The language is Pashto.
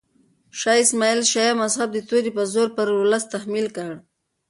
شاه اسماعیل شیعه مذهب د تورې په زور پر ولس تحمیل کړ.